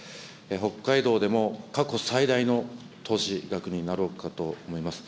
北海道でも、過去最大の投資額になろうかと思います。